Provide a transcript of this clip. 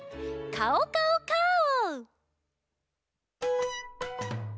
「カオカオカオ」！